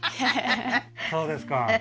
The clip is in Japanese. そうですか